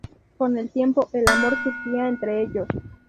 Con el tiempo, el amor surgirá entre ellos.